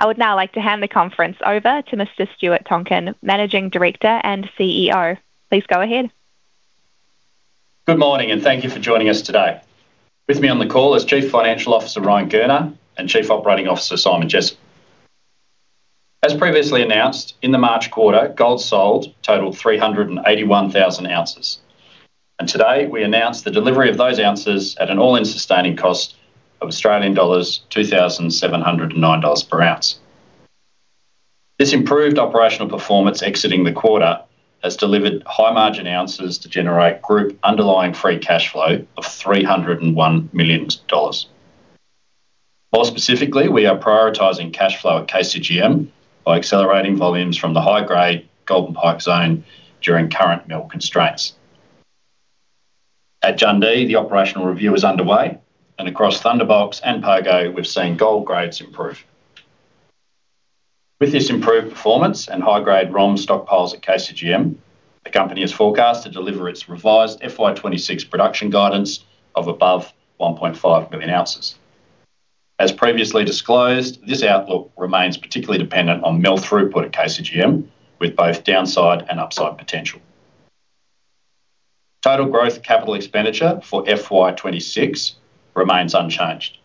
I would now like to hand the conference over to Mr. Stuart Tonkin, Managing Director and CEO. Please go ahead. Good morning, and thank you for joining us today. With me on the call is Chief Financial Officer, Ryan Gurner, and Chief Operating Officer, Simon Jessop. As previously announced, in the March quarter, gold sold totaled 381,000 ounces, and today we announce the delivery of those ounces at an all-in sustaining cost of Australian dollars 2,709 per ounce. This improved operational performance exiting the quarter has delivered high margin ounces to generate group underlying free cash flow of 301 million dollars. More specifically, we are prioritizing cash flow at KCGM by accelerating volumes from the high-grade Golden Pike zone during current mill constraints. At Jundee, the operational review is underway, and across Thunderbox and Pogo, we've seen gold grades improve. With this improved performance and high-grade ROM stockpiles at KCGM, the company is forecast to deliver its revised FY 2026 production guidance of above 1.5 million ounces. As previously disclosed, this outlook remains particularly dependent on mill throughput at KCGM, with both downside and upside potential. Total growth capital expenditure for FY 2026 remains unchanged,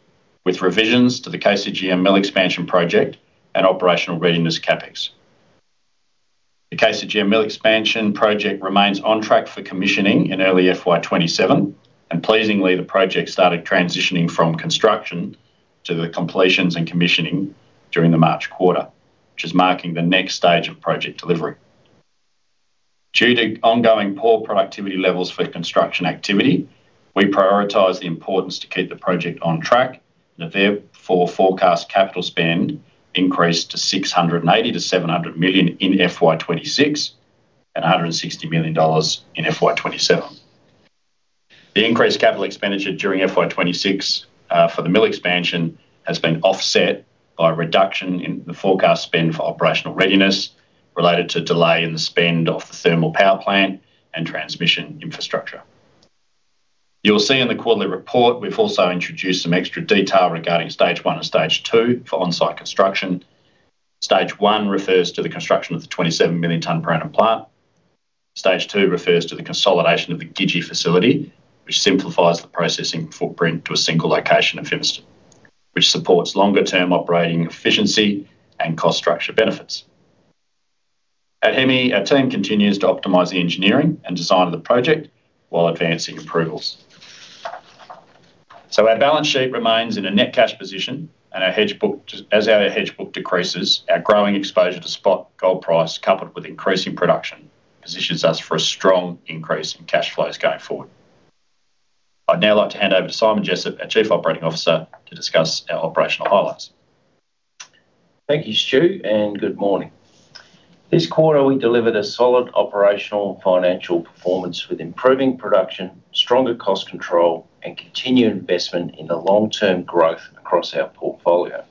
with revisions to the KCGM mill expansion project and operational readiness CapEx. The KCGM mill expansion project remains on track for commissioning in early FY 2027, and pleasingly, the project started transitioning from construction to the completions and commissioning during the March quarter, which is marking the next stage of project delivery. Due to ongoing poor productivity levels for construction activity, we prioritize the importance to keep the project on track, and therefore forecast capital spend increased to 680 million-700 million in FY 2026 and 160 million dollars in FY 2027. The increased capital expenditure during FY 2026 for the mill expansion has been offset by a reduction in the forecast spend for operational readiness related to delay in the spend of the thermal power plant and transmission infrastructure. You'll see in the quarterly report we've also introduced some extra detail regarding stage one and stage two for onsite construction. Stage one refers to the construction of the 27 million tonne per annum plant. Stage two refers to the consolidation of the Gidji facility, which simplifies the processing footprint to a single location at Fimiston, which supports longer term operating efficiency and cost structure benefits. At Hemi, our team continues to optimize the engineering and design of the project while advancing approvals. Our balance sheet remains in a net cash position, and as our hedge book decreases, our growing exposure to spot gold price, coupled with increasing production, positions us for a strong increase in cash flows going forward. I'd now like to hand over to Simon Jessop, our Chief Operating Officer, to discuss our operational highlights. Thank you, Stu, and good morning. This quarter, we delivered a solid operational financial performance with improving production, stronger cost control, and continued investment in the long-term growth across our portfolio.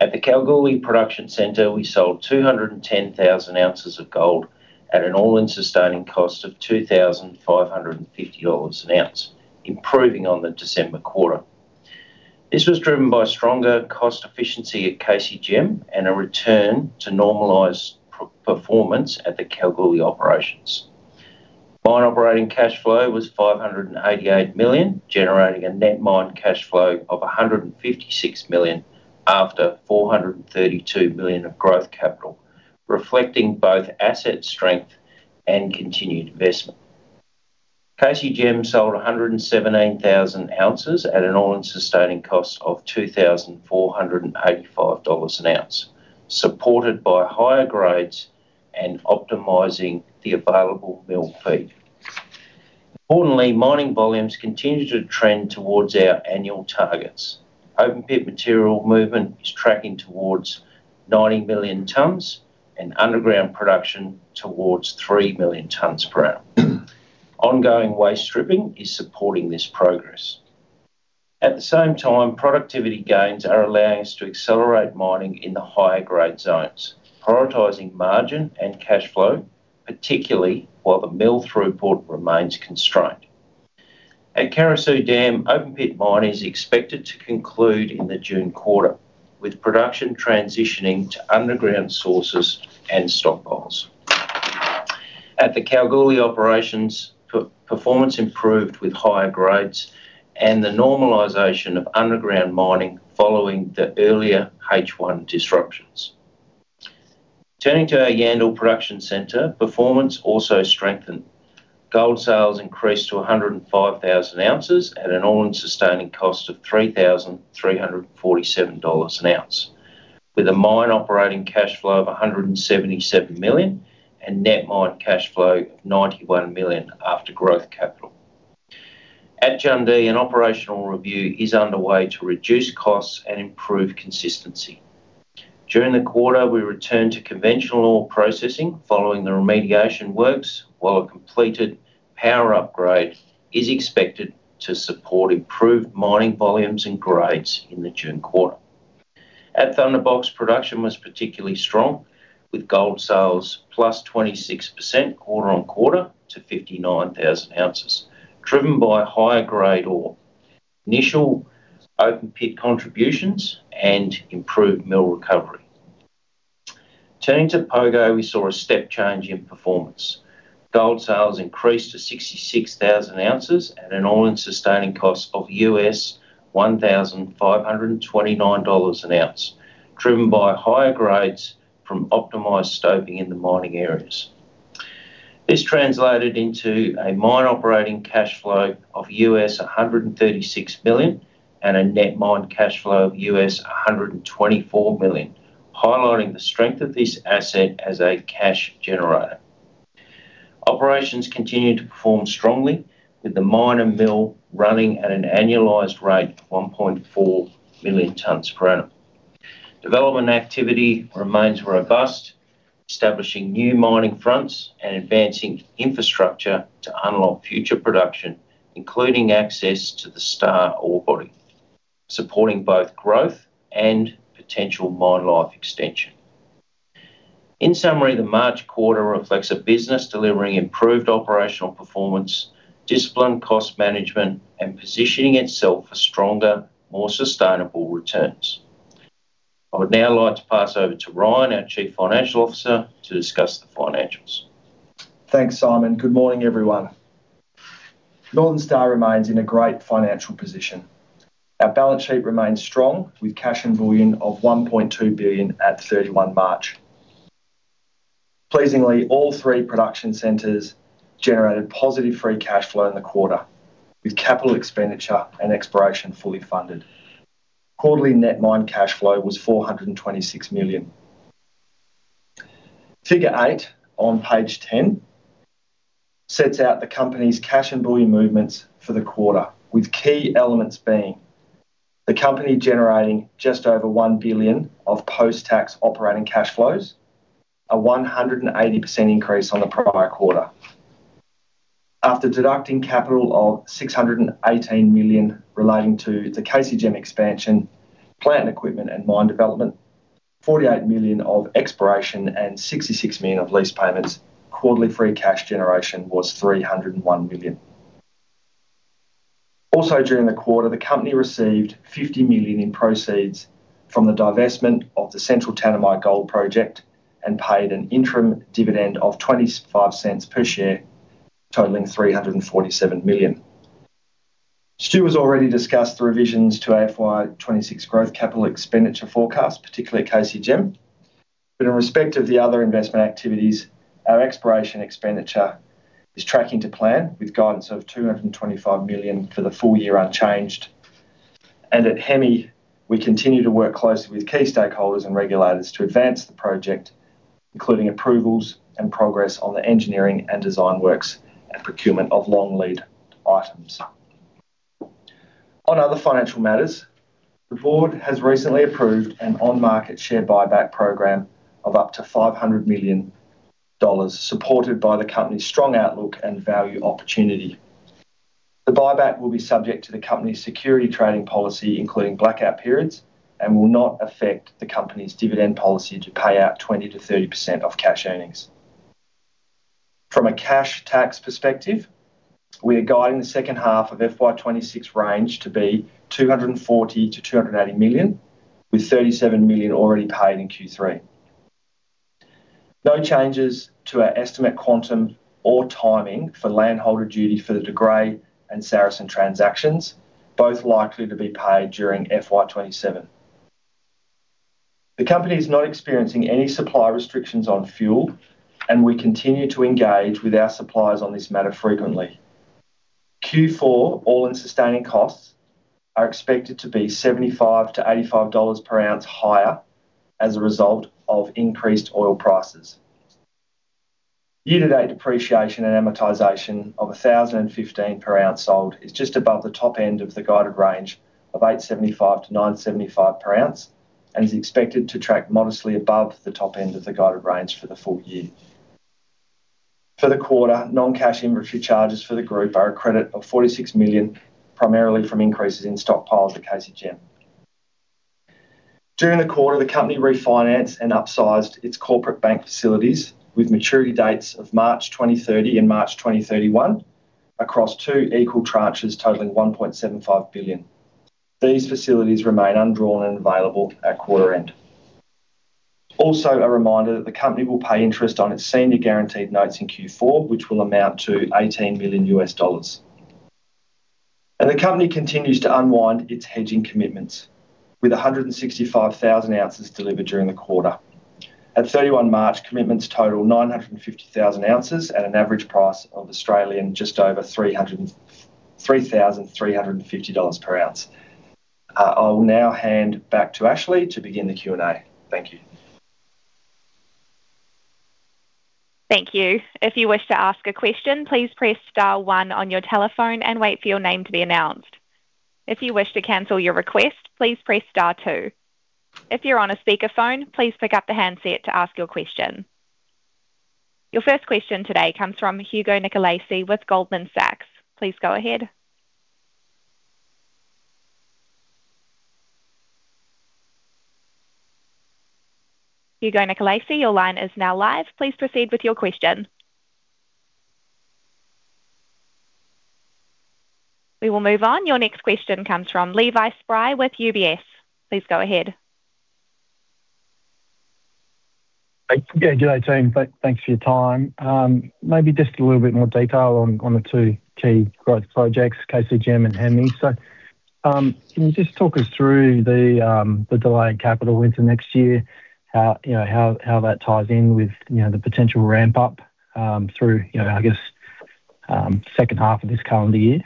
At the Kalgoorlie Production Centre, we sold 210,000 ounces of gold at an all-in sustaining cost of 2,550 dollars an ounce, improving on the December quarter. This was driven by stronger cost efficiency at KCGM and a return to normalized performance at the Kalgoorlie operations. Mine operating cash flow was 588 million, generating a net mine cash flow of 156 million after 432 million of growth capital, reflecting both asset strength and continued investment. KCGM sold 117,000 ounces at an all-in sustaining cost of $2,485 an ounce, supported by higher grades and optimizing the available mill feed. Importantly, mining volumes continue to trend towards our annual targets. Open pit material movement is tracking towards 90 million tons and underground production towards 3 million tons per annum. Ongoing waste stripping is supporting this progress. At the same time, productivity gains are allowing us to accelerate mining in the higher grade zones, prioritizing margin and cash flow, particularly while the mill throughput remains constrained. At Carosue Dam, open pit mining is expected to conclude in the June quarter, with production transitioning to underground sources and stockpiles. At the Kalgoorlie operations, performance improved with higher grades and the normalization of underground mining following the earlier H1 disruptions. Turning to our Yandal production center, performance also strengthened. Gold sales increased to 105,000 ounces at an all-in sustaining cost of $3,347 an ounce, with a mine operating cash flow of 177 million and net mine cash flow of 91 million after growth capital. At Jundee, an operational review is underway to reduce costs and improve consistency. During the quarter, we returned to conventional ore processing following the remediation works, while a completed power upgrade is expected to support improved mining volumes and grades in the June quarter. At Thunderbox, production was particularly strong with gold sales +26% quarter-on-quarter to 59,000 ounces, driven by higher-grade ore, initial open pit contributions, and improved mill recovery. Turning to Pogo, we saw a step change in performance. Gold sales increased to 66,000 ounces at an all-in sustaining cost of $1,529 an ounce, driven by higher grades from optimized stoping in the mining areas. This translated into a mine operating cash flow of $136 million and a net mine cash flow of $124 million, highlighting the strength of this asset as a cash generator. Operations continued to perform strongly with the mill running at an annualized rate of 1.4 million tons per annum. Development activity remains robust, establishing new mining fronts and advancing infrastructure to unlock future production, including access to the Star ore body, supporting both growth and potential mine life extension. In summary, the March quarter reflects a business delivering improved operational performance, disciplined cost management, and positioning itself for stronger, more sustainable returns. I would now like to pass over to Ryan, our Chief Financial Officer, to discuss the financials. Thanks, Simon. Good morning, everyone. Northern Star remains in a great financial position. Our balance sheet remains strong with cash and bullion of 1.2 billion at 31 March. Pleasingly, all three production centers generated positive free cash flow in the quarter, with capital expenditure and exploration fully funded. Quarterly net mine cash flow was 426 million. Figure 8 on page 10 sets out the company's cash and bullion movements for the quarter, with key elements being the company generating just over 1 billion of post-tax operating cash flows, a 180% increase on the prior quarter. After deducting capital of 618 million relating to the KCGM expansion, plant and equipment, and mine development, 48 million of exploration and 66 million of lease payments, quarterly free cash generation was 301 million. During the quarter, the company received 50 million in proceeds from the divestment of the Central Tanami Gold Project and paid an interim dividend of 0.25 per share, totaling 347 million. Stu has already discussed the revisions to our FY 2026 growth capital expenditure forecast, particularly at KCGM. In respect of the other investment activities, our exploration expenditure is tracking to plan with guidance of 225 million for the full year unchanged. At Hemi, we continue to work closely with key stakeholders and regulators to advance the project, including approvals and progress on the engineering and design works and procurement of long lead items. On other financial matters, the board has recently approved an on-market share buyback program of up to 500 million dollars, supported by the company's strong outlook and value opportunity. The buyback will be subject to the company's security trading policy, including blackout periods, and will not affect the company's dividend policy to pay out 20%-30% of cash earnings. From a cash tax perspective, we are guiding the second half of FY 2026 range to be 240 million-280 million, with 37 million already paid in Q3. No changes to our estimate quantum or timing for landholder duty for the De Grey and Saracen transactions, both likely to be paid during FY 2027. The company is not experiencing any supply restrictions on fuel, and we continue to engage with our suppliers on this matter frequently. Q4 all-in sustaining costs are expected to be $75-$85 per ounce higher as a result of increased oil prices. Year-to-date depreciation and amortization of 1,015 per ounce sold is just above the top end of the guided range of 875-975 per ounce and is expected to track modestly above the top end of the guided range for the full year. For the quarter, non-cash inventory charges for the group are a credit of 46 million, primarily from increases in stockpiles at KCGM. During the quarter, the company refinanced and upsized its corporate bank facilities with maturity dates of March 2030 and March 2031 across two equal tranches totaling 1.75 billion. These facilities remain undrawn and available at quarter end. Also, a reminder that the company will pay interest on its senior guaranteed notes in Q4, which will amount to $18 million. The company continues to unwind its hedging commitments, with 165,000 ounces delivered during the quarter. At 31 March, commitments total 950,000 ounces at an average price of just over 303,350 dollars per ounce. I will now hand back to Ashley to begin the Q&A. Thank you. Thank you. If you wish to ask a question, please press star one on your telephone and wait for your name to be announced. If you wish to cancel your request, please press star two. If you're on a speakerphone, please pick up the handset to ask your question. Your first question today comes from Hugo Nicolaci with Goldman Sachs. Please go ahead. Hugo Nicolaci, your line is now live. Please proceed with your question. We will move on. Your next question comes from Levi Spry with UBS. Please go ahead. Yeah. Good day, team. Thanks for your time. Maybe just a little bit more detail on the two key growth projects, KCGM and Hemi. Can you just talk us through the delay in capital into next year, how that ties in with the potential ramp-up through, I guess, second half of this calendar year?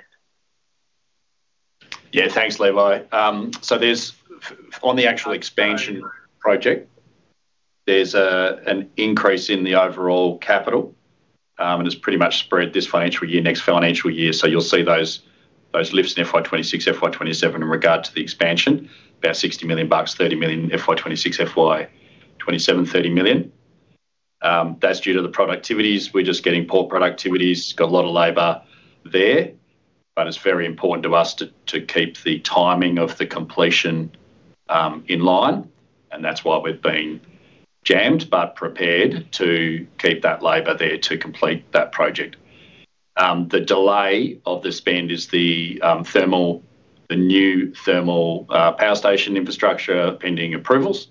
Yeah. Thanks, Levi. On the actual expansion project, there's an increase in the overall capital, and it's pretty much spread this financial year, next financial year. You'll see those lifts in FY 2026, FY 2027 in regard to the expansion, about 60 million bucks, 30 million FY 2026, FY 2027 30 million. That's due to the productivities. We're just getting poor productivities. Got a lot of labor there. It's very important to us to keep the timing of the completion in line, and that's why we've been jammed but prepared to keep that labor there to complete that project. The delay of the spend is the new thermal power station infrastructure pending approvals.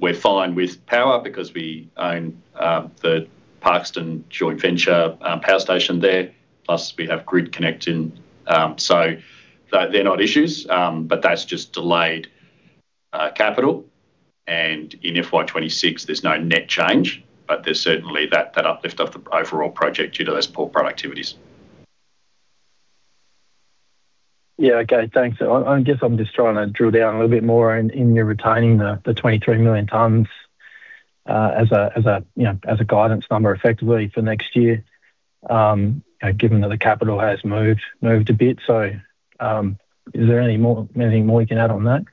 We're fine with power because we own the Parkeston joint venture power station there. Plus, we have grid connecting. They're not issues, but that's just delayed capital. In FY 2026, there's no net change, but there's certainly that uplift of the overall project due to those poor productivities. Yeah. Okay, thanks. I guess I'm just trying to drill down a little bit more in your retaining the 23 million tonnes as a guidance number effectively for next year, given that the capital has moved a bit. Is there anything more you can add on that?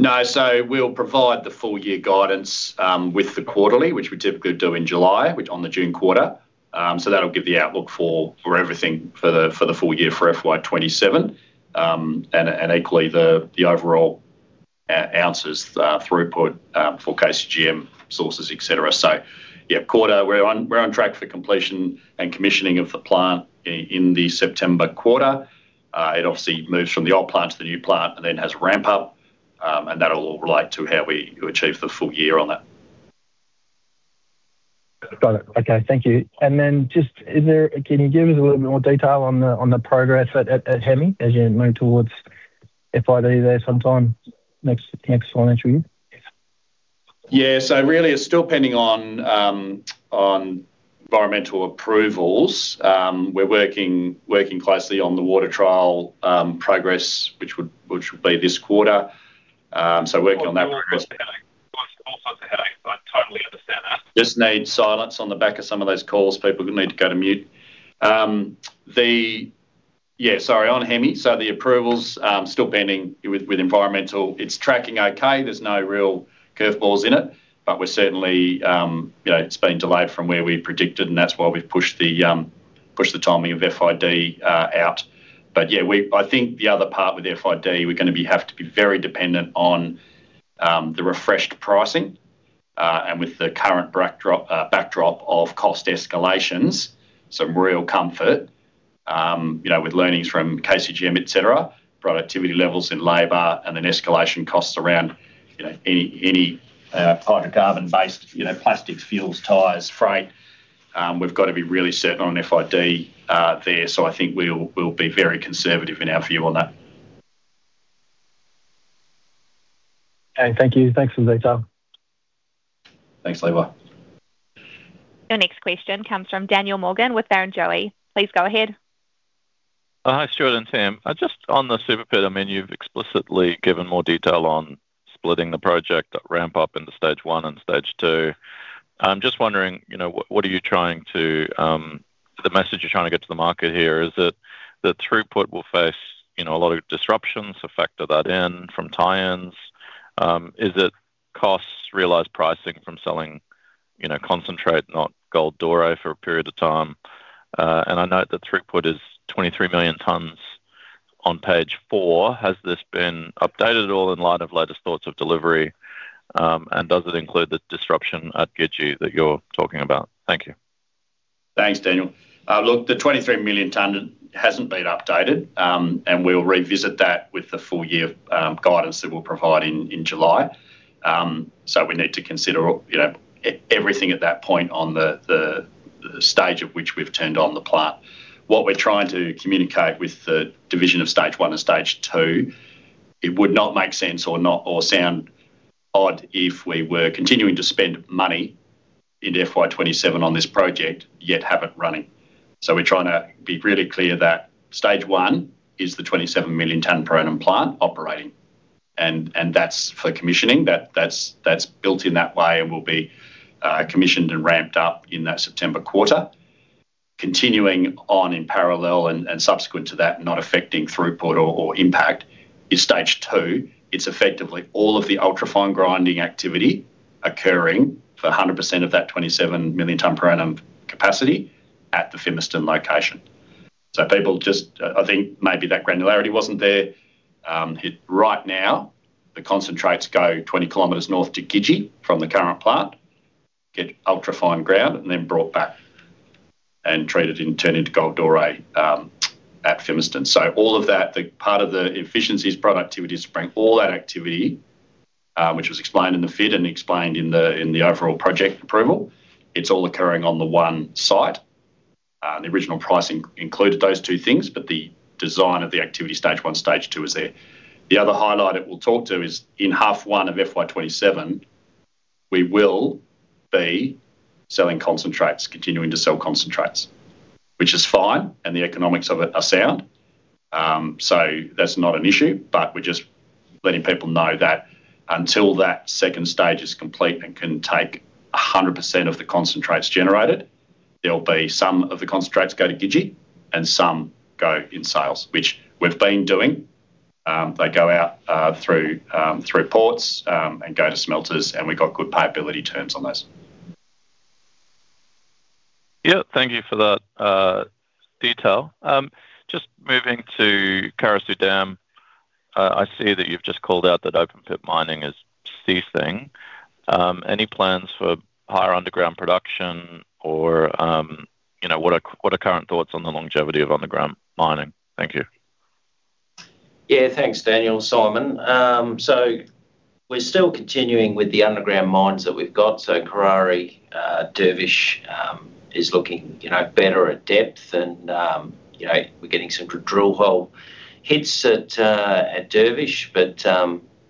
No, we'll provide the full year guidance with the quarterly, which we typically do in July, on the June quarter. That'll give the outlook for everything for the full year for FY 2027. Equally, the overall ounces throughput for KCGM sources, et cetera. Yeah, quarter, we're on track for completion and commissioning of the plant in the September quarter. It obviously moves from the old plant to the new plant and then has ramp up, and that'll all relate to how we achieve the full year on that. Got it. Okay, thank you. Can you give us a little bit more detail on the progress at Hemi as you move towards FID there sometime next financial year? Yeah. Really, it's still pending on environmental approvals. We're working closely on the water trial progress, which will be this quarter, working on that. I totally understand that. Just need silence on the back of some of those calls. People will need to go to mute. Yeah, sorry. On Hemi, the approval's still pending with environmental. It's tracking okay. There's no real curve balls in it. It's been delayed from where we predicted, and that's why we've pushed the timing of FID out. Yeah, I think the other part with FID, we're going to have to be very dependent on the refreshed pricing, and with the current backdrop of cost escalations, some real comfort, with learnings from KCGM, et cetera, productivity levels in labor, and then escalation costs around any hydrocarbon-based plastics, fuels, tires, freight. We've got to be really certain on FID there. I think we'll be very conservative in our view on that. Okay, thank you. Thanks for the detail. Thanks, Levi. Your next question comes from Daniel Morgan with Barrenjoey. Please go ahead. Hi, Stuart and team. Just on the Super Pit, you've explicitly given more detail on splitting the project ramp up into stage one and stage two. I'm just wondering, the message you're trying to get to the market here is that the throughput will face a lot of disruptions so factor that in from tie-ins. Is it costs realized pricing from selling concentrate not gold ore for a period of time? I note the throughput is 23 million tonnes on page four. Has this been updated at all in light of latest thoughts of delivery? Does it include the disruption at Gidji that you're talking about? Thank you. Thanks, Daniel. Look, the 23 million tonne hasn't been updated, and we'll revisit that with the full year guidance that we'll provide in July. We need to consider everything at that point on the stage at which we've turned on the plant. What we're trying to communicate with the division of stage one and stage two, it would not make sense or sound odd if we were continuing to spend money in FY 2027 on this project yet have it running. We're trying to be really clear that stage one is the 27 million tonne per annum plant operating. That's for commissioning. That's built in that way and will be commissioned and ramped up in that September quarter. Continuing on in parallel and subsequent to that, not affecting throughput or impact is stage two. It's effectively all of the ultra-fine grinding activity occurring for 100% of that 27 million ton per annum capacity at the Fimiston location. People just, I think maybe that granularity wasn't there. Right now, the concentrates go 20 km north to Gidji from the current plant, get ultra-fine ground, and then brought back and treated and turned into gold ore at Fimiston. All of that, the part of the efficiencies, productivities bring all that activity, which was explained in the FID and explained in the overall project approval. It's all occurring on the one site. The original pricing included those two things, but the design of the activity stage one, stage two is there. The other highlight it will talk to is in half one of FY 2027, we will be selling concentrates, continuing to sell concentrates, which is fine, and the economics of it are sound. That's not an issue, but we're just letting people know that until that second stage is complete and can take 100% of the concentrates generated, there'll be some of the concentrates go to Gidji and some go in sales, which we've been doing. They go out through ports, and go to smelters, and we got good payability terms on those. Yeah. Thank you for that detail. Just moving to Carosue Dam. I see that you've just called out that open-pit mining is ceasing. Any plans for higher underground production or what are current thoughts on the longevity of underground mining? Thank you. Yeah. Thanks, Daniel, it's Simon. We're still continuing with the underground mines that we've got. Karrari, Dervish is looking better at depth and we're getting some good drill hole hits at Dervish.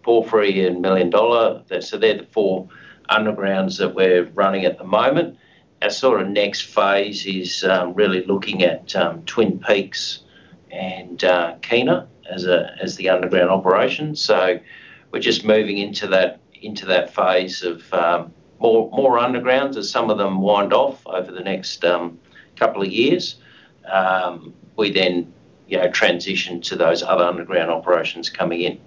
Porphyry and Million Dollar, so they're the four undergrounds that we're running at the moment. Our sort of next phase is really looking at Twin Peaks and Kena as the underground operations. We're just moving into that phase of more undergrounds as some of them wind off over the next couple of years. We then transition to those other underground operations coming in.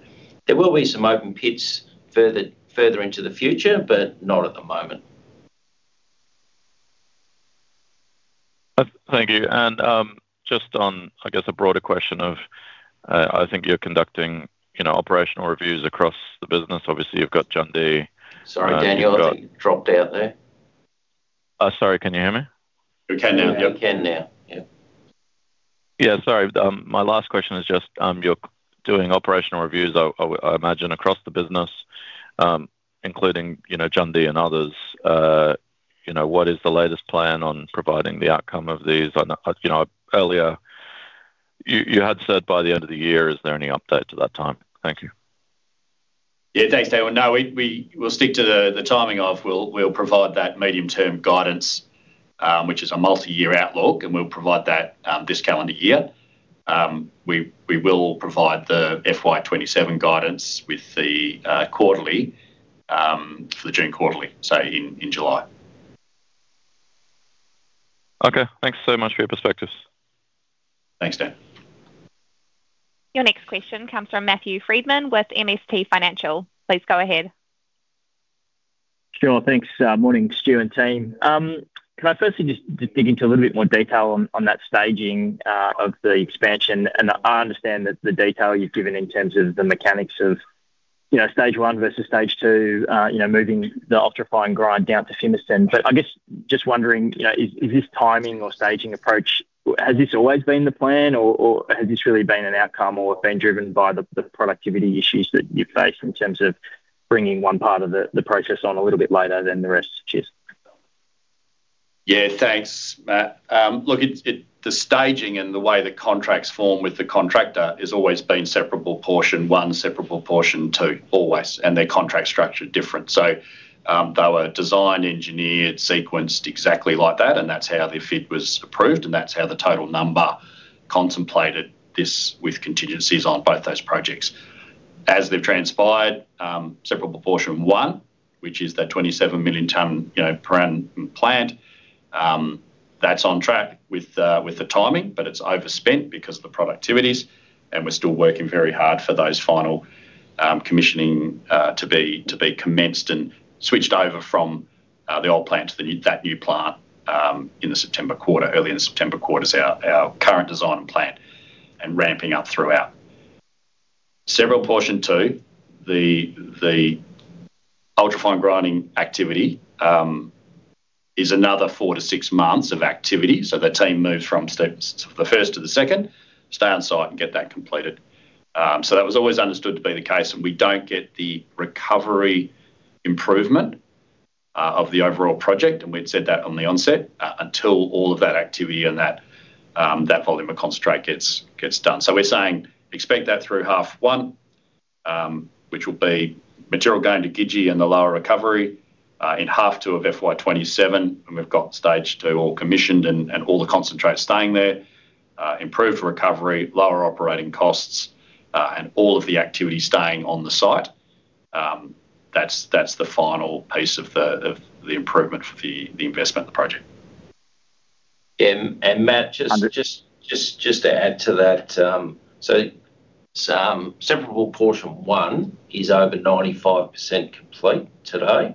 There will be some open pits further into the future, but not at the moment. Thank you. Just on, I guess, a broader question of, I think you're conducting operational reviews across the business. Obviously, you've got Jundee. Sorry, Daniel. I think you dropped out there. Sorry, can you hear me? We can now. Yep. We can now. Yep. Yeah. Sorry. My last question is just, you're doing operational reviews, I imagine, across the business, including Jundee and others. What is the latest plan on providing the outcome of these? I know earlier you had said by the end of the year. Is there any update to that time? Thank you. Yeah. Thanks, Daniel. No. We'll stick to the timing. We'll provide that medium-term guidance, which is a multiyear outlook, and we'll provide that this calendar year. We will provide the FY 2027 guidance with the quarterly, for the June quarterly, so in July. Okay. Thanks so much for your perspectives. Thanks, Dan. Your next question comes from Matthew Frydman with MST Financial. Please go ahead. Sure. Thanks. Morning, Stuart and team. Can I firstly just dig into a little bit more detail on that staging of the expansion? I understand that the detail you've given in terms of the mechanics of stage one versus stage two, moving the ultra-fine grind down to Fimiston. I guess just wondering, is this timing or staging approach, has this always been the plan or has this really been an outcome or been driven by the productivity issues that you face in terms of bringing one part of the process on a little bit later than the rest? Cheers. Yeah. Thanks, Matt. Look, the staging and the way the contracts form with the contractor has always been separable portion one, separable portion two, always, and their contract structure different. They were designed, engineered, sequenced exactly like that, and that's how the FID was approved, and that's how the total number contemplated this with contingencies on both those projects. As they've transpired, separable portion one, which is that 27 million ton per annum plant, that's on track with the timing, but it's overspent because of the productivities, and we're still working very hard for those final commissioning to be commenced and switched over from the old plant to that new plant early in the September quarter as our current design and plant and ramping up throughout. Separable portion two, the ultra-fine grinding activity, is another four to six months of activity. The team moves from the first to the second, stay on-site and get that completed. That was always understood to be the case, and we don't get the recovery improvement of the overall project, and we'd said that on the onset, until all of that activity and that volume of concentrate gets done. We're saying expect that through half one, which will be material going to Gidji and the lower recovery in half two of FY 2027 when we've got stage two all commissioned and all the concentrates staying there, improved recovery, lower operating costs, and all of the activity staying on the site. That's the final piece of the improvement for the investment of the project. Matt, just to add to that. Separable portion one is over 95% complete today,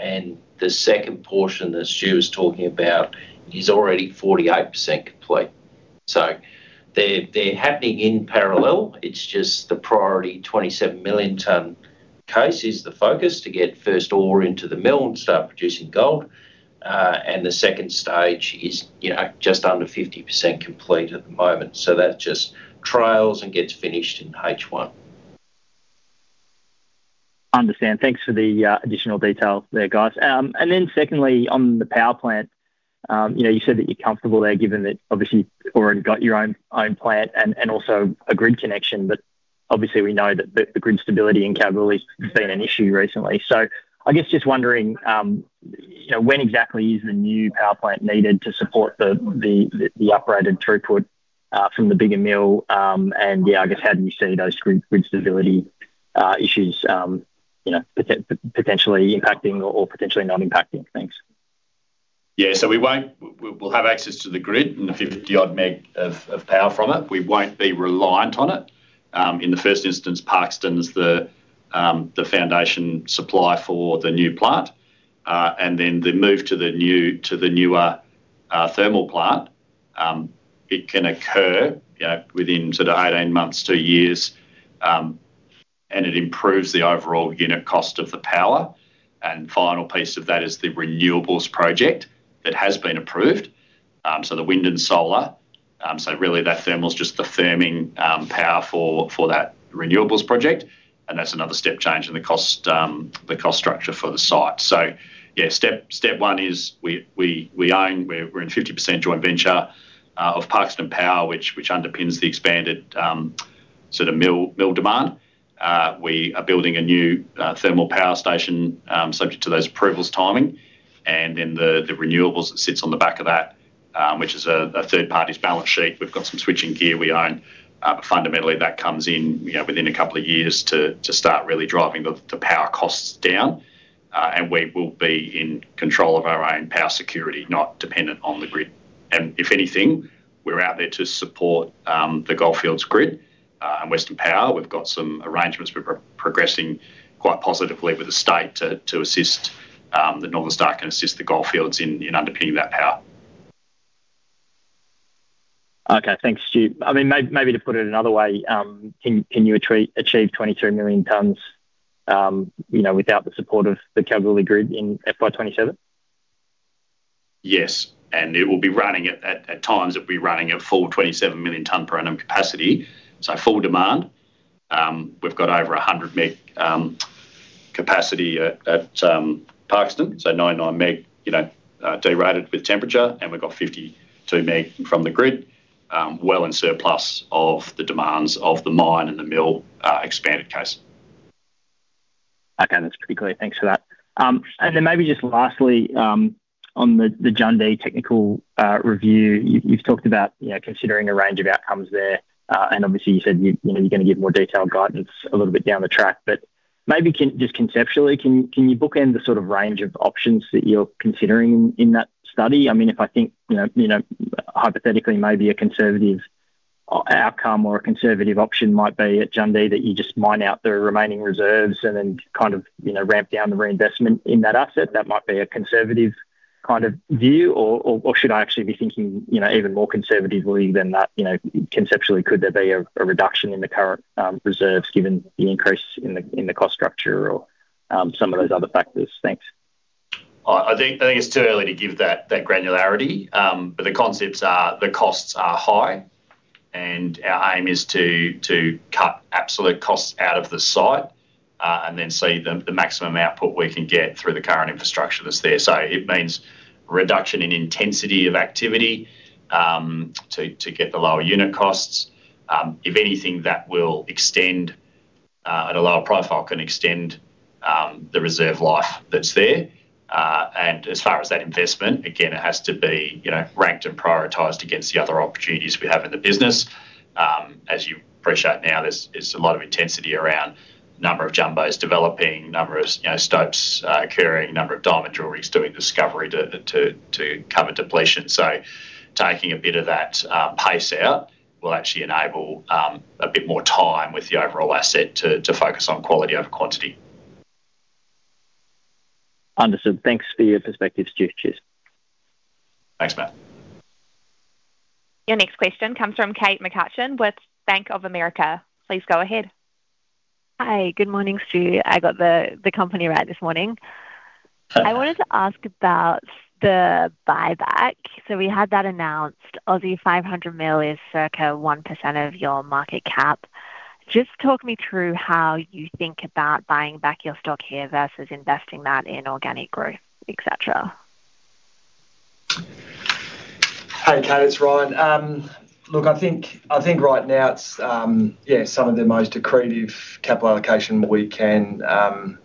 and the second portion that Stu was talking about is already 48% complete. They're happening in parallel. It's just the priority 27 million ton case is the focus to get first ore into the mill and start producing gold. The second stage is just under 50% complete at the moment. That just trails and gets finished in H1. I understand. Thanks for the additional details there, guys. Secondly, on the power plant, you said that you're comfortable there, given that obviously you've already got your own plant and also a grid connection. Obviously we know that the grid stability in Kalgoorlie has been an issue recently. I guess just wondering, when exactly is the new power plant needed to support the uprated throughput from the bigger mill? Yeah, I guess how do you see those grid stability issues potentially impacting or potentially not impacting? Thanks. Yeah. We'll have access to the grid and the 50-odd MW of power from it. We won't be reliant on it. In the first instance, Parkeston's the foundation supply for the new plant, and then the move to the newer thermal plant, it can occur within sort of 18 months to two years, and it improves the overall unit cost of the power. Final piece of that is the renewables project that has been approved, the wind and solar. Really that thermal's just the firming power for that renewables project, and that's another step change in the cost structure for the site. Yeah, step one is we own, we're in 50% joint venture of Parkeston Power, which underpins the expanded mill demand. We are building a new thermal power station, subject to those approvals timing. Then the renewables that sits on the back of that, which is a third party's balance sheet. We've got some switching gear we own. Fundamentally that comes in within a couple of years to start really driving the power costs down. We will be in control of our own power security, not dependent on the grid. If anything, we're out there to support the Goldfields grid and Western Power. We've got some arrangements we're progressing quite positively with the state to assist the Northern Star, can assist the Goldfields in underpinning that power. Okay. Thanks, Stu. Maybe to put it another way, can you achieve 23 million tons without the support of the Kalgoorlie grid in FY 2027? Yes. At times it'll be running at full 27 million tonne per annum capacity. Full demand. We've got over 100 meg capacity at Parkeston, so 99 meg derated with temperature, and we've got 52 meg from the grid, well in surplus of the demands of the mine and the mill expanded case. Okay. That's pretty clear. Thanks for that. Maybe just lastly, on the Jundee technical review, you've talked about considering a range of outcomes there, and obviously you said you're going to give more detailed guidance a little bit down the track. Maybe just conceptually, can you bookend the sort of range of options that you're considering in that study? If I think hypothetically maybe a conservative outcome or a conservative option might be at Jundee, that you just mine out the remaining reserves and then kind of ramp down the reinvestment in that asset, that might be a conservative kind of view. Should I actually be thinking even more conservatively than that? Conceptually, could there be a reduction in the current reserves given the increase in the cost structure or some of those other factors? Thanks. I think it's too early to give that granularity. The concepts are the costs are high, and our aim is to cut absolute costs out of the site, and then see the maximum output we can get through the current infrastructure that's there. It means reduction in intensity of activity to get the lower unit costs. If anything, that will extend at a lower profile, can extend the reserve life that's there. As far as that investment, again, it has to be ranked and prioritized against the other opportunities we have in the business. As you appreciate now, there's a lot of intensity around number of jumbos developing, number of stopes occurring, number of diamond drillings doing discovery to cover depletion. Taking a bit of that pace out will actually enable a bit more time with the overall asset to focus on quality over quantity. Understood. Thanks for your perspective, Stu. Cheers. Thanks, Matt. Your next question comes from Kate McCutcheon with Bank of America. Please go ahead. Hi. Good morning, Stu. I got the company right this morning. Hi. I wanted to ask about the buyback. We had that announced. 500 million is circa 1% of your market cap. Just talk me through how you think about buying back your stock here versus investing that in organic growth, et cetera. Hey, Kate. It's Ryan. Look, I think right now it's yeah, some of the most accretive capital allocation we can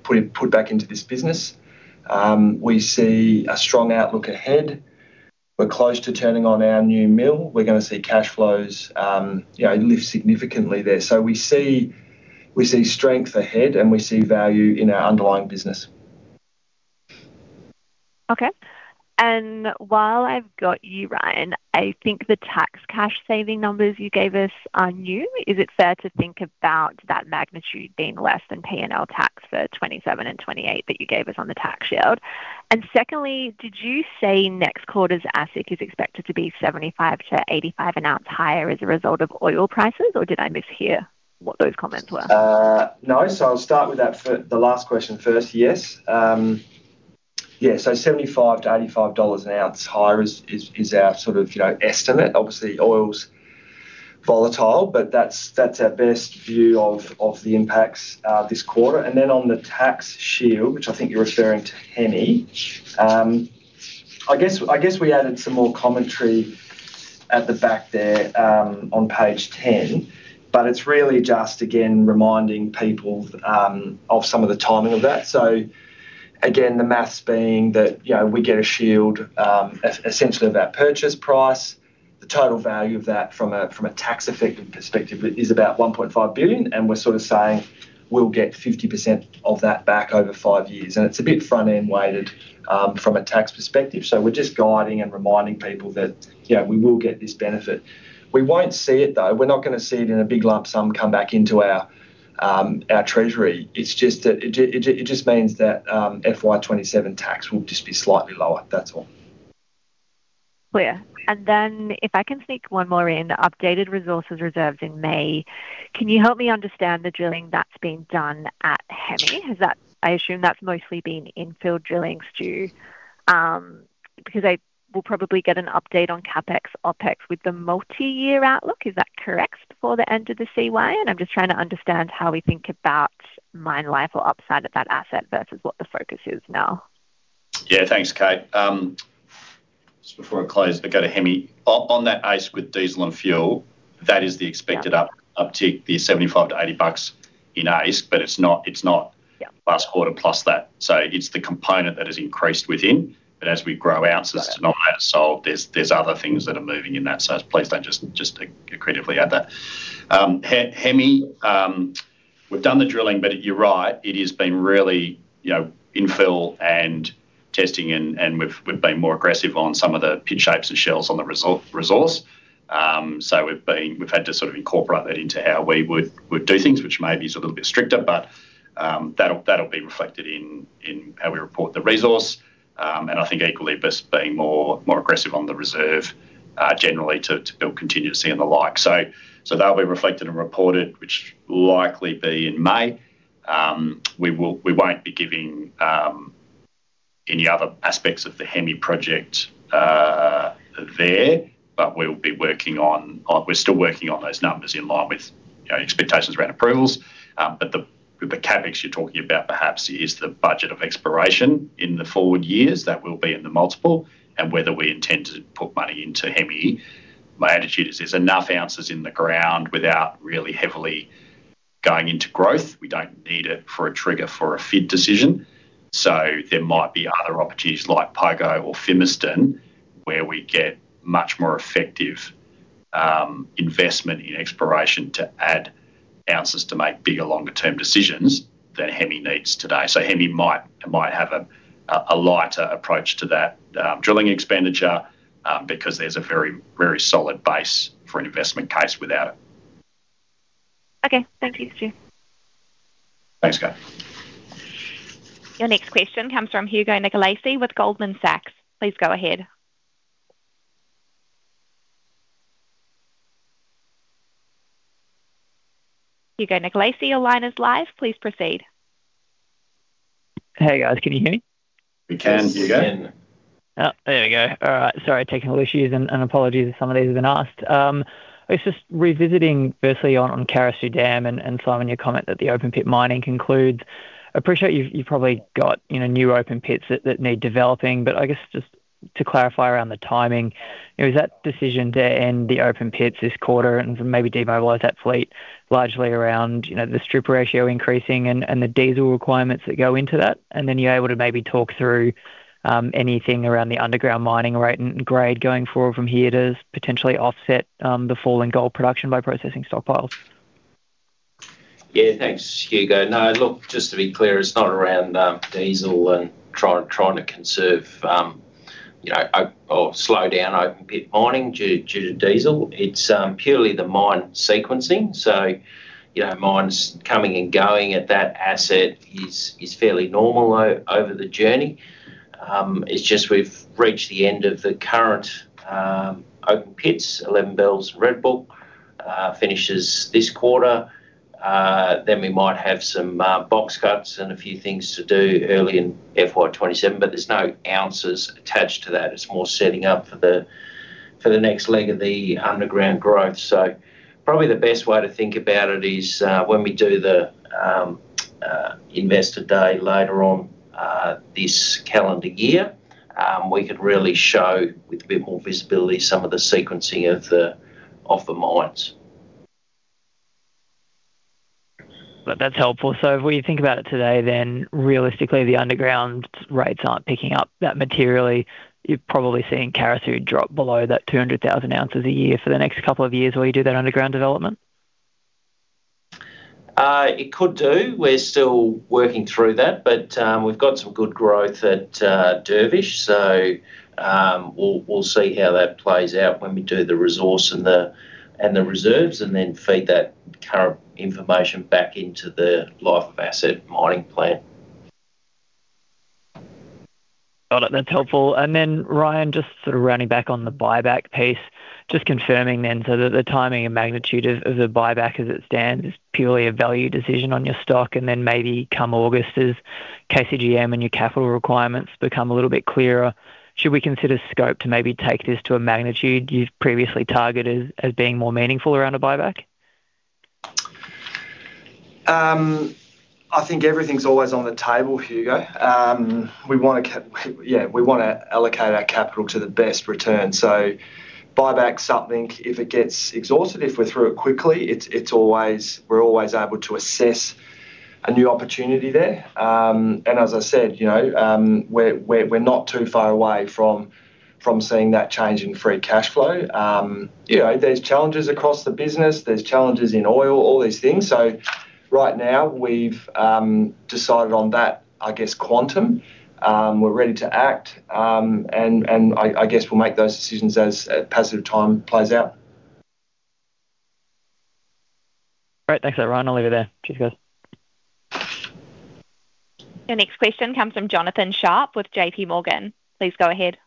put back into this business. We see a strong outlook ahead. We're close to turning on our new mill. We're going to see cash flows lift significantly there. We see strength ahead, and we see value in our underlying business. Okay. While I've got you, Ryan, I think the tax cash saving numbers you gave us are new. Is it fair to think about that magnitude being less than P&L tax for 2027 and 2028 that you gave us on the tax shield? And secondly, did you say next quarter's AISC is expected to be $75-$85 an ounce higher as a result of oil prices, or did I mishear what those comments were? No. I'll start with the last question first. Yes. $75-$85 an ounce higher is our estimate. Obviously, oil's volatile, but that's our best view of the impacts this quarter. On the tax shield, which I think you're referring to Hemi. I guess we added some more commentary at the back there on page 10, but it's really just, again, reminding people of some of the timing of that. Again, the math being that we get a shield essentially of our purchase price. The total value of that from a tax effective perspective is about 1.5 billion, and we're sort of saying we'll get 50% of that back over five years. It's a bit front-end weighted from a tax perspective, so we're just guiding and reminding people that, yeah, we will get this benefit. We won't see it, though. We're not going to see it in a big lump sum come back into our treasury. It just means that FY 2027 tax will just be slightly lower. That's all. Clear. Then if I can sneak one more in. The updated resources and reserves in May. Can you help me understand the drilling that's been done at Hemi? I assume that's mostly been infill drilling, Stu, because I will probably get an update on CapEx, OpEx with the multi-year outlook, is that correct? Before the end of the CY. I'm just trying to understand how we think about mine life or upside at that asset versus what the focus is now. Yeah, thanks, Kate. Just before I close, if I go to Hemi. On that AISC with diesel and fuel, that is the expected- Yeah. uptick, the $75-$80 in AISC, but it's not Yeah.... last quarter plus that. It's the component that has increased within. As we grow ounces to mine- Got it. Sold, there's other things that are moving in that. Please don't just take it credibly at that. Hemi, we've done the drilling, but you're right, it has been really infill and testing, and we've been more aggressive on some of the pit shapes and shells on the resource. We've had to sort of incorporate that into how we would do things, which maybe is a little bit stricter, but that'll be reflected in how we report the resource. I think equally of us being more aggressive on the reserve generally to build continuity and the like. That will be reflected and reported, which will likely be in May. We won't be giving any other aspects of the Hemi project there, but we're still working on those numbers in line with expectations around approvals. The CapEx you're talking about, perhaps, is the budget of exploration in the forward years. That will be in the multiple, and whether we intend to put money into Hemi. My attitude is there's enough ounces in the ground without really heavily going into growth. We don't need it for a trigger for a FID decision. There might be other opportunities like Pogo or Fimiston where we get much more effective investment in exploration to add ounces to make bigger, longer term decisions than Hemi needs today. Hemi might have a lighter approach to that drilling expenditure because there's a very solid base for an investment case without it. Okay. Thank you, Stu. Thanks, Kate. Your next question comes from Hugo Nicolaci with Goldman Sachs. Please go ahead. Hugo Nicolaci, your line is live. Please proceed. Hey, guys. Can you hear me? We can, Hugo. Yes. Oh, there we go. All right. Sorry, technical issues and apologies if some of these have been asked. I was just revisiting firstly on Carosue Dam and, Simon, your comment that the open pit mining concludes. I appreciate you've probably got new open pits that need developing, but I guess just to clarify around the timing, is that decision to end the open pits this quarter and maybe demobilize that fleet largely around the strip ratio increasing and the diesel requirements that go into that? And then are you able to maybe talk through anything around the underground mining rate and grade going forward from here to potentially offset the fall in gold production by processing stockpiles? Yeah, thanks, Hugo. No look, just to be clear, it's not around diesel and trying to conserve or slow down open pit mining due to diesel. It's purely the mine sequencing. Mines coming and going at that asset is fairly normal over the journey. It's just we've reached the end of the current open pits. 11 Bells Red Book finishes this quarter. We might have some box cuts and a few things to do early in FY 2027, but there's no ounces attached to that. It's more setting up for the next leg of the underground growth. Probably the best way to think about it is when we do the investor day later on this calendar year, we can really show with a bit more visibility some of the sequencing of the mines. That's helpful. When you think about it today, then realistically, the underground rates aren't picking up that materially. You're probably seeing Carosue Dam drop below that 200,000 ounces a year for the next couple of years while you do that underground development? It could do. We're still working through that, but we've got some good growth at Dervish, so we'll see how that plays out when we do the resource and the reserves and then feed that current information back into the life of asset mining plan. Got it. That's helpful. Ryan, just sort of rounding back on the buyback piece, just confirming then, so that the timing and magnitude of the buyback as it stands is purely a value decision on your stock, and then maybe come August as KCGM and your capital requirements become a little bit clearer, should we consider scope to maybe take this to a magnitude you've previously targeted as being more meaningful around a buyback? I think everything's always on the table, Hugo. We want to allocate our capital to the best return. Buyback something, if it gets exhausted, if we're through it quickly, we're always able to assess a new opportunity there. As I said, we're not too far away from seeing that change in free cash flow. There's challenges across the business, there's challenges in oil, all these things. Right now we've decided on that, I guess, quantum. We're ready to act, and I guess we'll make those decisions as passage of time plays out. Great. Thanks for that, Ryan. I'll leave it there. Cheers, guys. Your next question comes from Jonathan Sharp with JPMorgan. Please go ahead.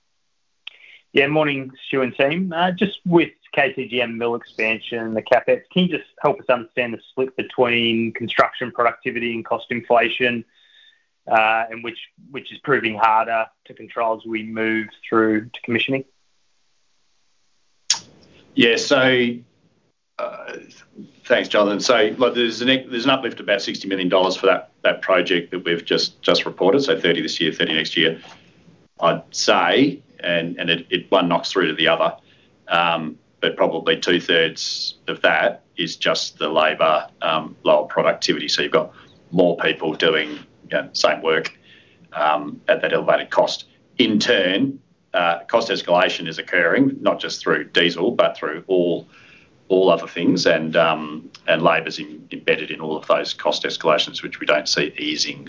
Yeah, morning, Stu and team. Just with KCGM mill expansion, the CapEx, can you just help us understand the split between construction productivity and cost inflation, and which is proving harder to control as we move through to commissioning? Yeah. Thanks, Jonathan. There's an uplift of about 60 million dollars for that project that we've just reported, so 30 million this year, 30 million next year. I'd say, and one knocks through to the other, but probably two-thirds of that is just the lower labor productivity. You've got more people doing the same work at that elevated cost. In turn, cost escalation is occurring, not just through diesel, but through all other things. Labor's embedded in all of those cost escalations, which we don't see easing.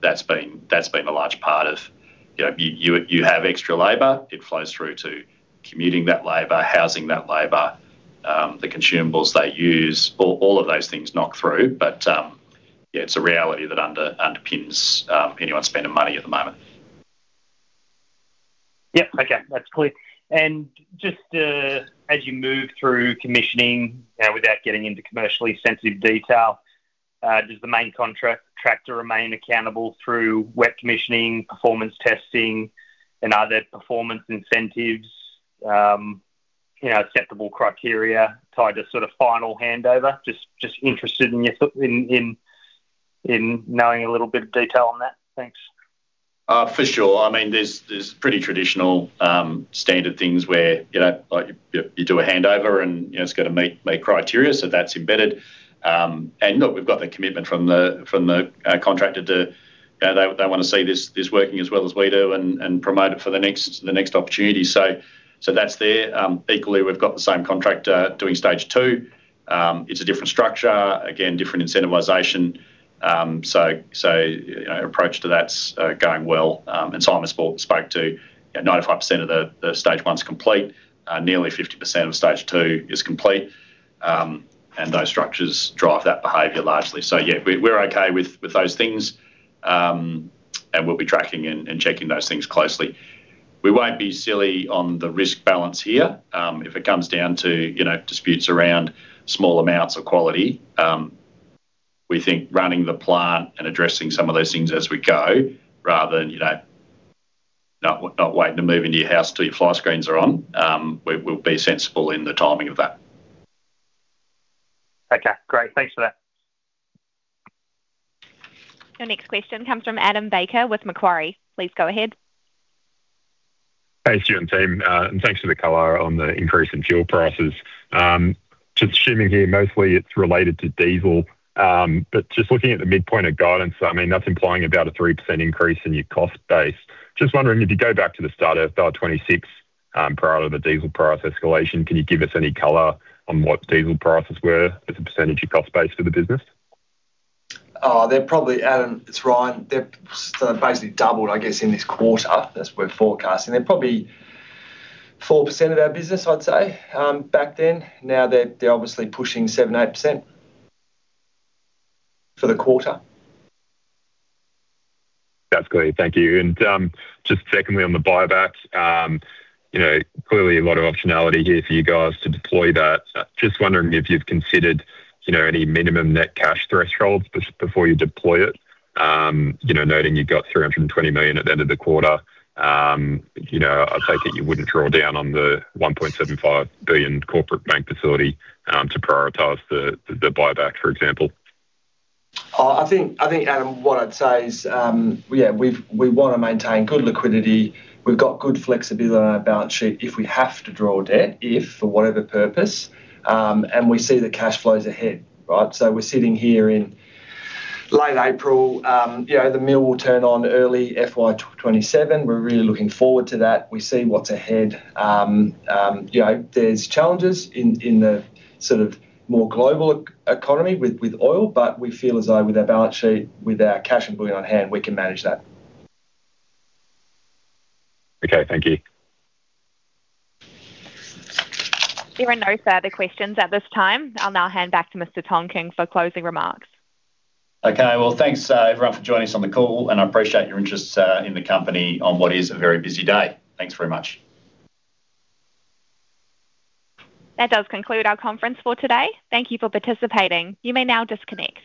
That's been a large part of you having extra labor. It flows through to commuting that labor, housing that labor, the consumables they use. All of those things knock through, but yeah, it's a reality that underpins anyone spending money at the moment. Yeah. Okay, that's clear. Just as you move through commissioning, without getting into commercially sensitive detail, does the main contractor remain accountable through wet commissioning, performance testing and other performance incentives, acceptable criteria tied to sort of final handover? Just interested in knowing a little bit of detail on that. Thanks. For sure. There's pretty traditional standard things where you do a handover and it's got to meet criteria, so that's embedded. We've got the commitment from the contractor. They want to see this working as well as we do and promote it for the next opportunity. That's there. Equally, we've got the same contractor doing stage two. It's a different structure. Again, different incentivization. Approach to that's going well. Simon spoke to 95% of the stage one is complete. Nearly 50% of stage two is complete. Those structures drive that behavior largely. Yeah, we're okay with those things, and we'll be tracking and checking those things closely. We won't be silly on the risk balance here. If it comes down to disputes around small amounts of quality, we think running the plant and addressing some of those things as we go rather than not waiting to move into your house till your fly screens are on, we'll be sensible in the timing of that. Okay, great. Thanks for that. Your next question comes from Adam Baker with Macquarie. Please go ahead. Thanks, Stu and team, and thanks for the color on the increase in fuel prices. Just assuming here mostly it's related to diesel. Just looking at the midpoint of guidance, that's implying about a 3% increase in your cost base. Just wondering if you go back to the start of 2026, prior to the diesel price escalation, can you give us any color on what diesel prices were as a percentage of cost base for the business? They're probably, Adam, it's Ryan. They've basically doubled, I guess, in this quarter as we're forecasting. They're probably 4% of our business, I'd say, back then. Now they're obviously pushing 7%-8% for the quarter. That's clear. Thank you. Just secondly on the buyback. Clearly a lot of optionality here for you guys to deploy that. Just wondering if you've considered any minimum net cash thresholds before you deploy it, noting you got 320 million at the end of the quarter. I take it you wouldn't draw down on the 1.75 billion corporate bank facility to prioritize the buyback, for example. I think, Adam, what I'd say is, we want to maintain good liquidity. We've got good flexibility on our balance sheet if we have to draw debt, if for whatever purpose, and we see the cash flows ahead, right? We're sitting here in late April. The mill will turn on early FY 2027. We're really looking forward to that. We see what's ahead. There's challenges in the sort of more global economy with oil, but we feel as though with our balance sheet, with our cash and bullion on hand, we can manage that. Okay, thank you. There are no further questions at this time. I'll now hand back to Mr. Tonkin for closing remarks. Okay. Well, thanks, everyone, for joining us on the call, and I appreciate your interest in the company on what is a very busy day. Thanks very much. That does conclude our conference for today. Thank you for participating. You may now disconnect.